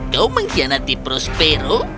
kau mengkhianati prospero